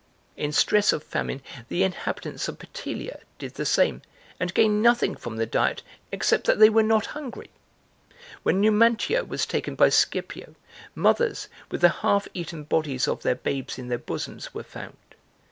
In stress of famine, the inhabitants of Petelia did the same and gained nothing from the diet except that they were not hungry! When Numantia was taken by Scipio, mothers, with the half eaten bodies of their babes in their bosoms, were found!